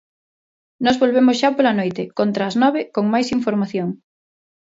Nós volvemos xa pola noite, contra ás nove, con máis información.